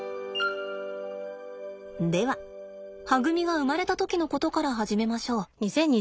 でははぐみが生まれた時のことから始めましょう。